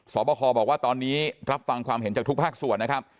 บคบอกว่าตอนนี้รับฟังความเห็นจากทุกภาคส่วนนะครับ